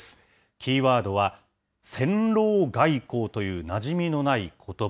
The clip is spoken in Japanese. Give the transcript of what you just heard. キーワードは戦狼外交という、なじみのないことば。